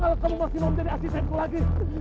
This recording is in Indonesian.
kalau kamu masih mau jadi asistenku lagi